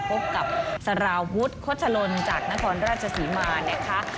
พบกับสารวุฒิโฆษลนจากนครราชศรีมานะคะ